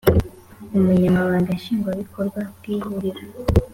Ubunyamabanga Nshingwabikorwa bw Ihuriro